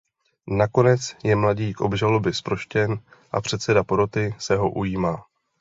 Nakonec je mladík obžaloby zproštěn a předseda poroty se ho ujímá.